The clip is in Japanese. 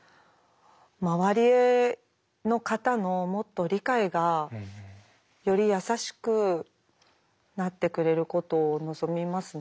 周りの方のもっと理解がより優しくなってくれることを望みますね。